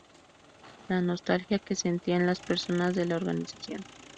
la nostalgia que sentían las personas de la organización